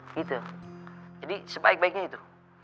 gitu jadi sebaik baiknya itu